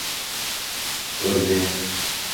اُردی